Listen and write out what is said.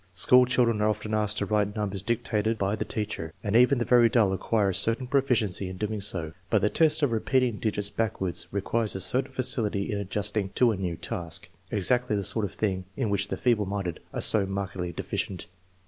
School children are often asked to write numbers dictated by the teacher, and even the very dull acquire a certain proficiency in doing so; but the test of repeating digits backwards re quires a certain facility in adjusting to a new task, exactly the sort of thing in which the feeble minded are so markedly deficient.